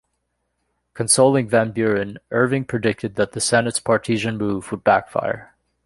Consoling Van Buren, Irving predicted that the Senate's partisan move would backfire.